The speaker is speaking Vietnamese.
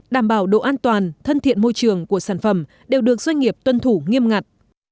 đảm bảo độ an toàn thân thiện môi trường của sản phẩm đều được doanh nghiệp tuân thủ nghiêm ngặt